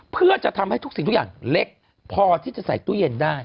เพื่อจะทำให้ทุกสิ่งทุกอย่างเล็กพอที่จะใส่ตู้เย็นได้